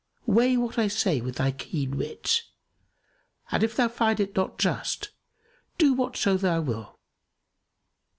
Weigh what I say with thy keen wit, and if thou find it not just, do whatso thou wilt."